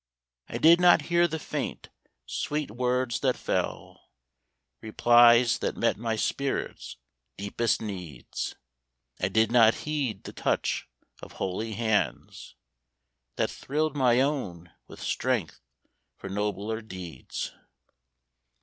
/ I did not hear the faint, sweet words that fell, — Replies that met my spirit's deepest needs. I did not heed the touch of holy hands That thrilled my own with strength for nobler deeds.